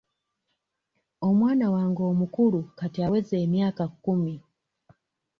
Omwana wange omukulu kati aweza emyaka kkumi.